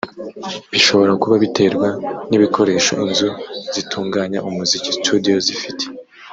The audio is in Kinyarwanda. bishobora kuba biterwa n’ibikoresho inzu zitunganya umuziki (studios)zifite